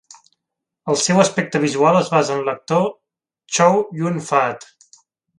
El seu aspecte visual es basa en l'actor Chow Yun-fat.